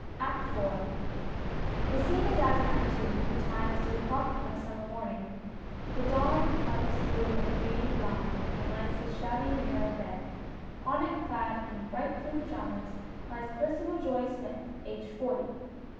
] ACT IV The scene is as in Act II. ; the time is three o'clock on a summer morning ; the dawn comes through a green blind and lights the shabby narroiv bed ; on it, clad in bright blue pyjamas ', lies Percival Joye Smith, aged forty.